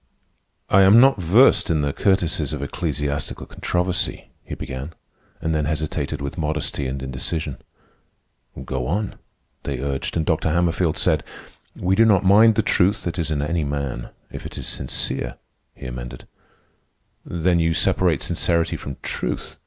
"I am not versed in the courtesies of ecclesiastical controversy," he began, and then hesitated with modesty and indecision. "Go on," they urged, and Dr. Hammerfield said: "We do not mind the truth that is in any man. If it is sincere," he amended. "Then you separate sincerity from truth?"